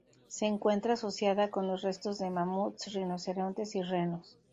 Se encuentra asociada con los restos de mamuts, rinocerontes y renos.